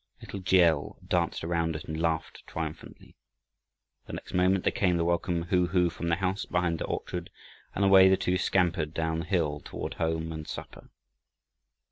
Little G. L. danced around it, and laughed triumphantly. The next moment there came the welcome "hoo hoo" from the house behind the orchard, and away the two scampered down the hill toward home and supper.